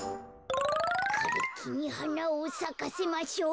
「かれきにはなをさかせましょう」。